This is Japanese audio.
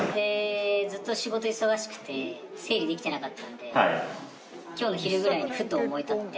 ずっと仕事忙しくて整理できてなかったんで今日の昼ぐらいにふと思い立って。